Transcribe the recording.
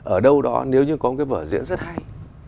ở đâu đó nếu như có một cái vở diễn rất hay